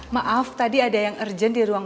maaf tadi ada yang urgent di ruang